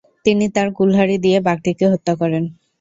তিনি তার কুলহারি দিয়ে বাঘটিকে হত্যা করেন।